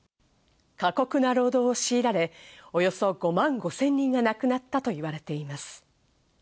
過酷な労働を強いられ、およそ５万５０００人が亡くなったといわれています。